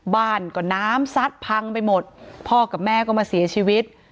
บ้านก็น้ำซัดพังไปหมดพ่อกับแม่ก็มาเสียชีวิต